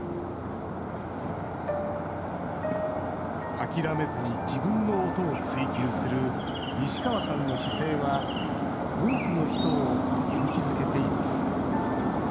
諦めずに自分の音を追求する西川さんの姿勢は多くの人を勇気づけています。